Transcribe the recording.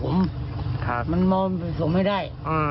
มันมองส่งไม่ได้